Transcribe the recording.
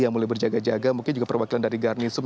yang mulai berjaga jaga mungkin juga perwakilan dari garnisum